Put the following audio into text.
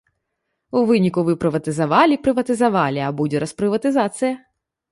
У выніку вы прыватызавалі, прыватызавалі, а будзе распрыватызацыя.